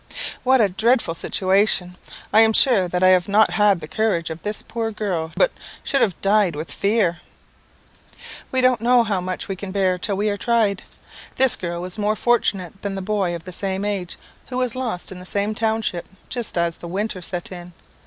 "What a dreadful situation! I am sure that I should not have had the courage of this poor girl, but should have died with fear." "We don't know how much we can bear till we are tried. This girl was more fortunate than a boy of the same age, who was lost in the same township just as the winter set in.